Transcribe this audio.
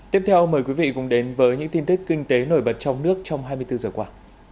tiếp theo mời quý vị cùng đến với những tin tức kinh tế nổi bật trong nước trong hai mươi bốn giờ qua